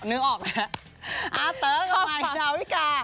เต๋อกลับมาชาวพิการ